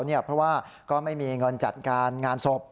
เพราะว่าก็ไม่มีเงินจัดการงานศพ